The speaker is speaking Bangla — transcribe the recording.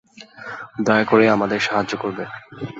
দয়া করে আমাদের সাহায্য করবে?